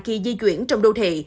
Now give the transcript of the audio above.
khi di chuyển trong đô thị